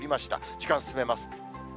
時間進めます。